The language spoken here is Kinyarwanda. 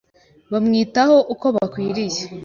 bamwitaho uko bakwiye